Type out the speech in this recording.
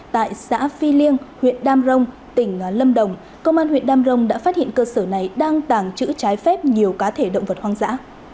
tại xã phi liêng huyện đam rông tỉnh lâm đồng công an huyện đam rồng đã phát hiện cơ sở này đang tàng trữ trái phép nhiều cá thể động vật hoang dã